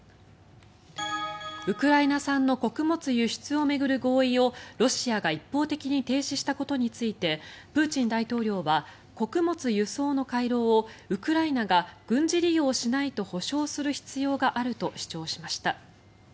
ウクライナ産の穀物輸出を巡る合意をロシアが一方的に停止したことについてプーチン大統領は穀物輸送の回廊をウクライナが軍事利用しないと保証する必要があると主張しました。